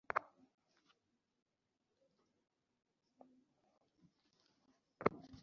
হ্যা, কিন্তু আমরা এটাকে পাল্টাতে পারব।